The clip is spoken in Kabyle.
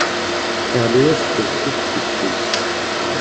Teɣli-yas tḍebsit deg ufus.